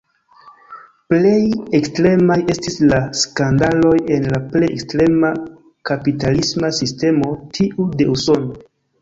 Plej ekstremaj estis la skandaloj en la plej ekstrema kapitalisma sistemo, tiu de Usono.